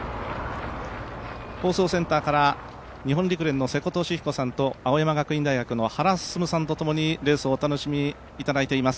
放送センターから日本陸連の瀬古利彦さんと青山学院大学の原晋さんとともにレースをお楽しみいただいています。